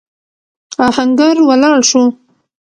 آهنګر ولاړ شو.